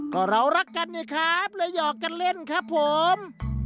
ก็เรารักกันไงครับเลยหยอกกันเล่นครับผม